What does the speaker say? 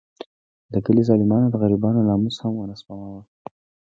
د کلي ظالمانو د غریبانو ناموس هم ونه سپماوه.